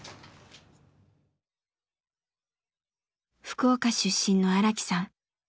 福岡出身の荒木さん。